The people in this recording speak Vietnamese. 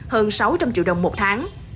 hơn sáu trăm linh triệu đồng một tháng